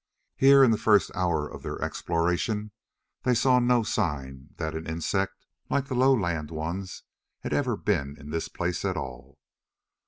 Here, in the first hour of their exploration, they saw no sign that an insect like the lowland ones had ever been in this place at all.